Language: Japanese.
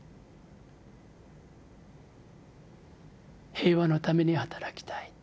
「平和のために働きたい」。